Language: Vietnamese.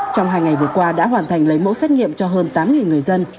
trong hai ngày vừa qua đã hoàn thành lấy mẫu xét nghiệm cho hơn tám người dân